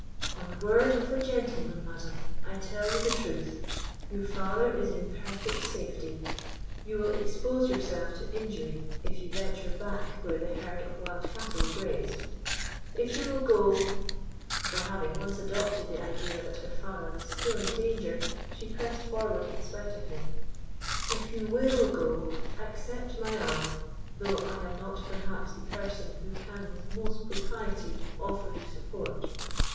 "On the word of a gentleman, madam, I tell you the truth; your father is in perfect safety; you will expose yourself to injury if you venture back where the herd of wild cattle grazed. If you will go"—for, having once adopted the idea that her father was still in danger, she pressed forward in spite of him—"if you will go, accept my arm, though I am not perhaps the person who can with most propriety offer you support."